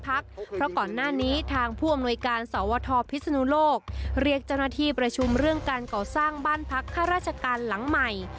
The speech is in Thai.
เพราะก่อนหน้านี้ทางผู้อำนวยการสวทพิศนุโลกเรียกเจ้าหน้าที่ประชุมเรื่องการก่อสร้างบ้านพักข้าราชการหลังใหม่